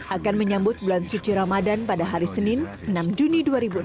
akan menyambut bulan suci ramadan pada hari senin enam juni dua ribu enam belas